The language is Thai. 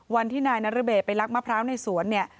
วันที่นายนรเบศไปลักมะพร้าวในสวนเนี่ย